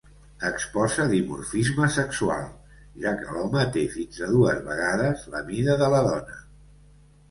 Exposa dimorfisme sexual, ja que l'home té fins a dues vegades la mida de la dona.